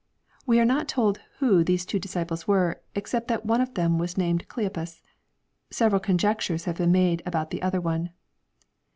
] We are not told who these two disciples were, except that one of them was named Oleopas. Several conjectures have been made about the other one.